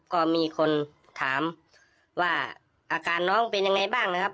ก็มีคนถามว่าอาการน้องเป็นยังไงบ้างนะครับ